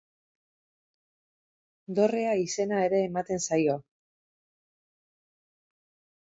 Dorrea izena ere ematen zaio.